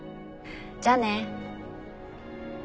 じゃあね。